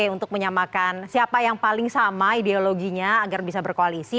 untuk menyamakan siapa yang paling sama ideologinya agar bisa berkoalisi